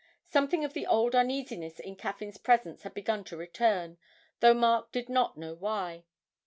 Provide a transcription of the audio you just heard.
Something of the old uneasiness in Caffyn's presence had begun to return, though Mark did not know why.